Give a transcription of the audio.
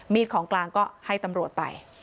ของกลางก็ให้ตำรวจไป